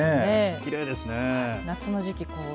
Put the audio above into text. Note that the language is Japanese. きれいですね。